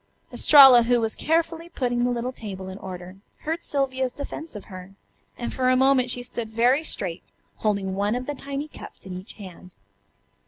Estralla, who was carefully putting the little table in order, heard Sylvia's defense of her, and for a moment she stood very straight, holding one of the tiny cups in each hand.